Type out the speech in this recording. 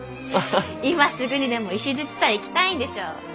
今すぐにでも石山行きたいんでしょう？